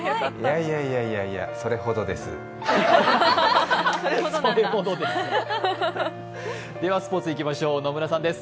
いやいやいや、それほどです。